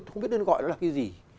không biết nên gọi nó là cái gì